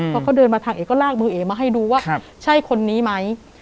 พอเขาเดินมาทางเอ๋ก็ลากมือเอ๋มาให้ดูว่าใช่คนนี้ไหม